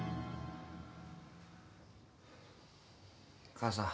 母さん。